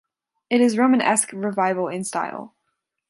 It is Romanesque Revival in style.